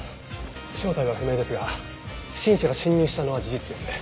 正体は不明ですが不審者が侵入したのは事実です。